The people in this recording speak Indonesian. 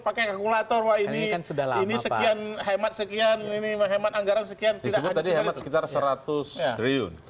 pakai kalkulator wa ini ini sekian hemat sekian ini menghemat anggaran sekian tidak ada sekitar seratus